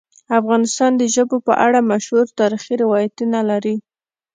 افغانستان د ژبو په اړه مشهور تاریخی روایتونه لري.